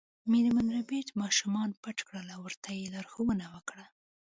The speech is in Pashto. میرمن ربیټ ماشومان پټ کړل او ورته یې لارښوونه وکړه